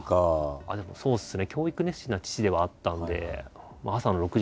ああでもそうですね。